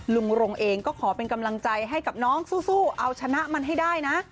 ลุงรงเองก็ขอเป็นกำลังใจให้กับน้องสู้เอาชนะมันให้ได้นะ